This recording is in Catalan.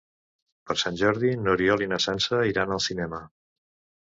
Per Sant Jordi n'Oriol i na Sança iran al cinema.